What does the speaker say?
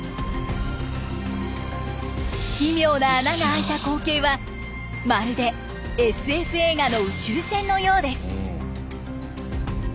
奇妙な穴が開いた光景はまるでＳＦ映画の宇宙船のようです。